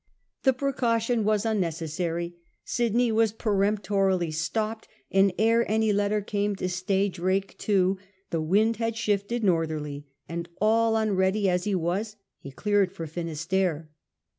^ The precaution was unnecessary. Sydney was peremptorily stopped, and ere any letter came to stay Drake too, the wind had shifted northerly, and all unready as he was. he cleared for Finisterre.